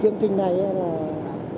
chương trình này rất là hay